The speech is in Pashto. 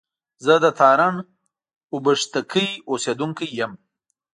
زه د تارڼ اوبښتکۍ اوسېدونکی يم